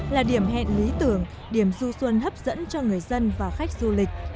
là điểm hẹn lý tưởng điểm du xuân hấp dẫn cho người dân và khách du lịch